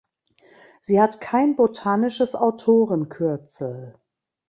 Sie hat kein botanisches Autorenkürzel.